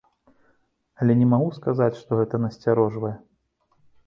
Але не магу сказаць, што гэта насцярожвае.